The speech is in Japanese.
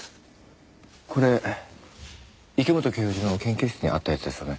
これ池本教授の研究室にあったやつですよね？